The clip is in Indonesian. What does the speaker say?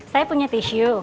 saya punya tisu